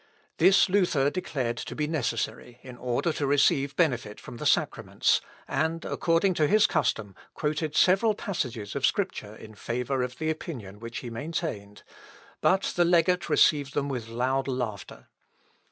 This Luther declared to be necessary, in order to receive benefit from the sacraments, and, according to his custom, quoted several passages of Scripture in favour of the opinion which he maintained, but the legate received them with loud laughter.